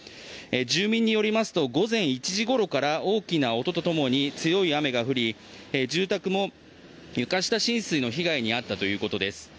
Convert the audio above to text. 住民によりますと午前１時ごろから大きな音とともに強い雨が降り、住宅も床下浸水の被害に遭ったということです。